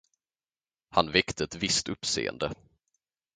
Han väckte ett visst uppseende.